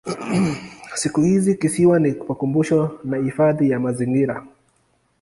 Siku hizi kisiwa ni makumbusho na hifadhi ya mazingira.